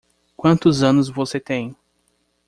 Quantos anos você tem?